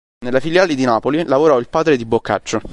Nella filiale di Napoli lavorò il padre di Boccaccio.